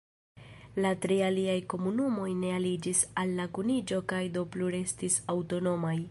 La tri aliaj komunumoj ne aliĝis al la kuniĝo kaj do plu restis aŭtonomaj.